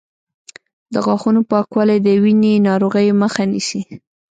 د غاښونو پاکوالی د وینې ناروغیو مخه نیسي.